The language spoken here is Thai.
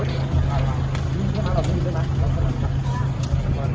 เดี๋ยวนิ่มขอไปให้การกับพี่พี่ต่างหลวง